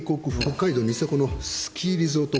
北海道ニセコのスキーリゾート。